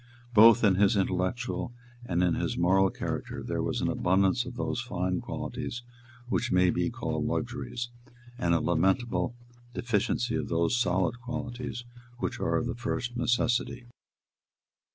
Both in his intellectual and in his moral character there was an abundance of those fine qualities which may be called luxuries, and a lamentable deficiency of those solid qualities which are of the first necessity.